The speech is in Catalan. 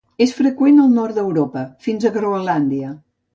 És freqüent al Nord d'Europa, fins a Groenlàndia.